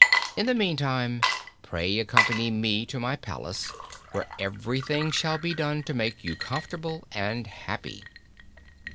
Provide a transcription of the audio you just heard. In the meantime, pray accompany me to my palace, where everything shall be done to make you comfortable and happy."